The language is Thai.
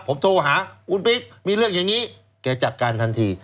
ผมโทรหาคุณปิ๊กมีเรื่องอย่างนี้แกจัดการทันที